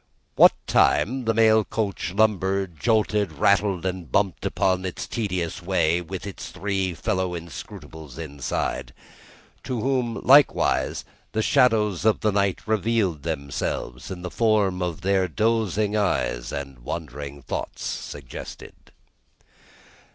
What time, the mail coach lumbered, jolted, rattled, and bumped upon its tedious way, with its three fellow inscrutables inside. To whom, likewise, the shadows of the night revealed themselves, in the forms their dozing eyes and wandering thoughts suggested.